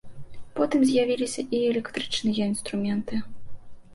Потым з'явіліся і электрычныя інструменты.